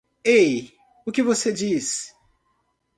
Ei? o que você diz?